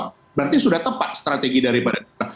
berarti sudah tepat strategi dari bdi perjuangan